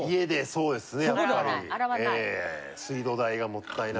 そうですね。